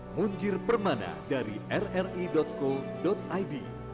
munjir permana dari rri co id